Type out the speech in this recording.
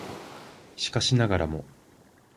しかしながらも